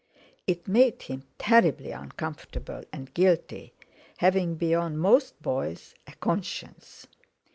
It made him terribly uncomfortable and guilty, having, beyond most boys, a conscience.